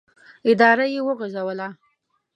اداره یې وغځوله.